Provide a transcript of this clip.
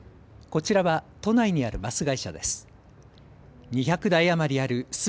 こちらは都内にあるバス会社です。